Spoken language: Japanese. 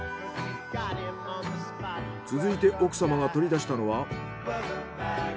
続いて奥様が取り出したのは。